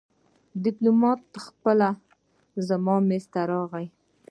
ډيپلومات خپله زما مېز ته راغی.